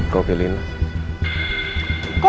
kau pilihin lah